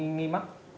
kk f một nghi mắc